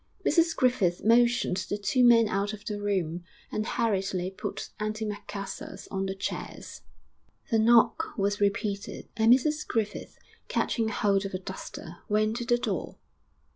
Mrs Griffith motioned the two men out of the room, and hurriedly put antimacassars on the chairs. The knock was repeated, and Mrs Griffith, catching hold of a duster, went to the door.